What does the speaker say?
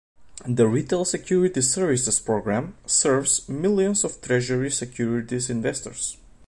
The Retail Securities Services program serves millions of Treasury securities investors.